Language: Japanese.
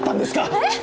えっ？